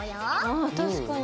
あ確かに。